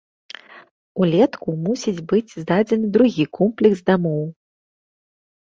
Улетку мусіць быць здадзены другі комплекс дамоў.